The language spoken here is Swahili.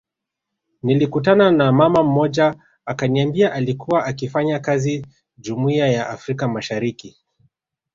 Nilikutana na mama mmoja akaniambia alikua akifanya kazi jumuiya ya afrika mashariki